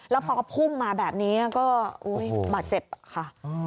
แล้วพอก็พุ่งมาแบบนี้ก็บาดเจ็บค่ะ